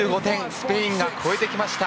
スペインが超えてきました。